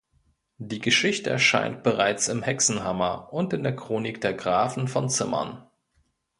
Die Geschichte erscheint bereits im Hexenhammer und in der Chronik der Grafen von Zimmern.